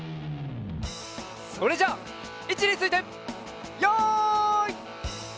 それじゃあいちについてよい。